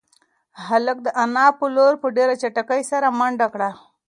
هلک د انا په لور په ډېرې چټکتیا سره منډه کړه.